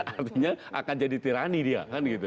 artinya akan jadi tirani dia